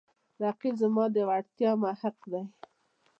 رقیب زما د وړتیاو محک دی